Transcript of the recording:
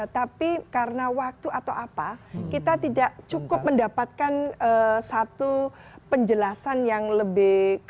tapi karena waktu atau apa kita tidak cukup mendapatkan satu penjelasan yang lebih